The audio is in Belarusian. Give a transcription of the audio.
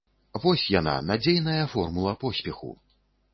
Вось яна, надзейная формула поспеху!